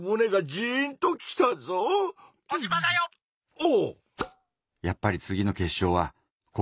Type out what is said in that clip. お！